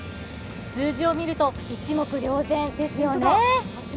数字を見ると一目瞭然ですよね